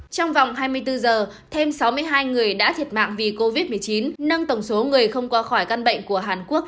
trong vòng hai mươi bốn giờ thêm sáu mươi hai người đã thiệt mạng vì covid một mươi chín nâng tổng số người không qua khỏi căn bệnh của hàn quốc